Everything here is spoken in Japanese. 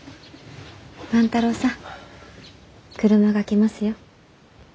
万太郎さん車が来ますよ。